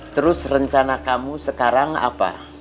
terus rencana kamu sekarang apa